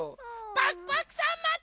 ・パクパクさんまて！